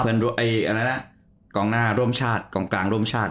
กองหน้าร่วมชาติกองกลางร่วมชาติ